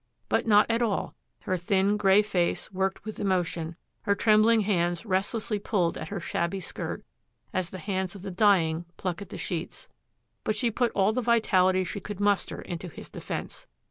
But not at all: her thin gray face worked with emotion, her trembling hands restlessly pulled at her shabby skirt as the hands of the dying pluck at the sheets, but she put all the vitality she could muster into his defense.